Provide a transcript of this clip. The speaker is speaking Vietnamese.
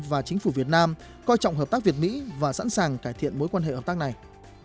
và chính phủ việt nam coi trọng hợp tác việt mỹ và sẵn sàng cải thiện mối quan hệ hợp tác này